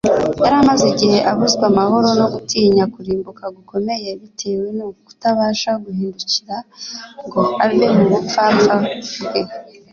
yari amaze igihe abuzwa amahoro no gutinya kurimbuka gukomeye bitewe no kutabasha guhindukira ngo ave mu bupfapfa bwe